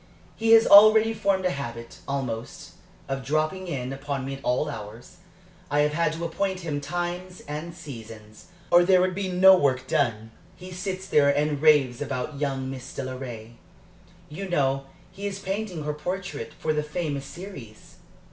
He has already formed a habit, almost, of 'dropping in' upon me at all hours. I have had to appoint him times and seasons, or there would be no work done. He sits here and raves about young Mrs. Delaray you know he is painting her portrait, for the famous series?